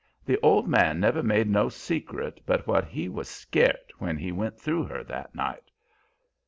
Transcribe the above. The old man never made no secret but what he was scairt when he went through her that night.